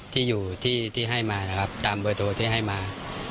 ที่อยู่ที่ให้มานะครับตามเบอร์โทรที่ให้มา